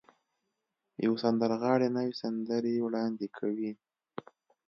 يوه سندرغاړې نوې سندرې وړاندې کوي.